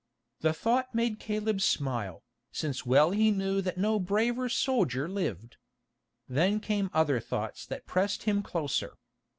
The thought made Caleb smile, since well he knew that no braver soldier lived. Then came other thoughts that pressed him closer.